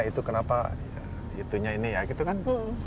itu kenapa itunya ini ya gitu kan